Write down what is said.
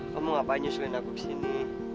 kamu ngapain nyusulin aku ke sini